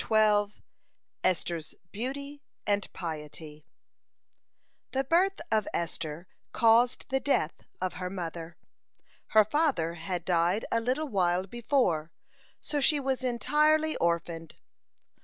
(65) ESTHER'S BEAUTY AND PIETY The birth of Esther caused the death of her mother. Her father had died a little while before, so she was entirely orphaned.